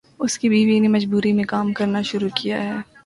اس کی بیوی نے مجبوری میں کام کرنا شروع کیا ہے۔